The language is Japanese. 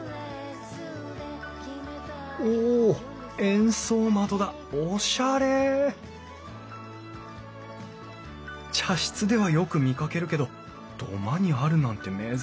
円相窓だおしゃれ茶室ではよく見かけるけど土間にあるなんて珍しい。